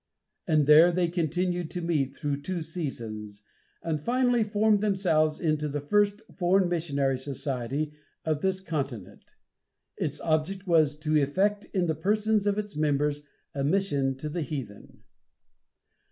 And there they continued to meet through two seasons, and finally formed themselves into the first Foreign Missionary Society of this continent. Its object was "to effect in the persons of its members a mission to the heathen."